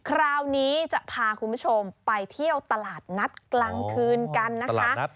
คราวนี้จะพาคุณผู้ชมไปเที่ยวตลาดนัดกลางคืนกันนะคะ